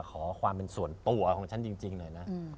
ขอความเป็นส่วนตัวของฉันจริงหน่อยนะ